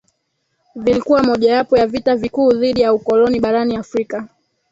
vilikuwa mojawapo ya vita vikuu dhidi ya ukoloni barani Afrika